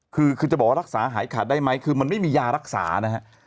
คือคือจะบอกว่ารักษาหายขาดได้ไหมคือมันไม่มียารักษานะฮะ